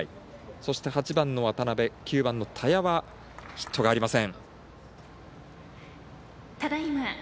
そして８番の渡邊、９番の田屋はヒットがありません。